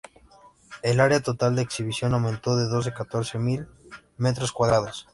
El área total de exhibición aumentó de doce a catorce mil metros cuadrados.